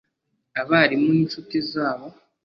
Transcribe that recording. abarimu n’inshuti zabo